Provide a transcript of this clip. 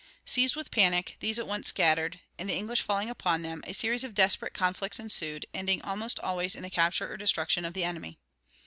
Seized with panic, these at once scattered and, the English falling upon them, a series of desperate conflicts ensued, ending almost always in the capture or destruction of the enemy.